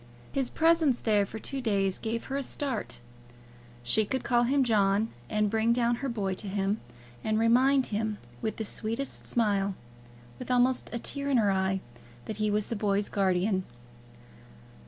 His presence there for two days gave her a start. She could call him John, and bring down her boy to him, and remind him, with the sweetest smile, with almost a tear in her eye, that he was the boy's guardian.